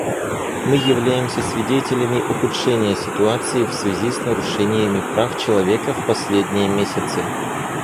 Мы являемся свидетелями ухудшения ситуации в связи с нарушениями прав человека в последние месяцы.